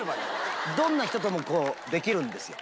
どんな人ともできるんですよ。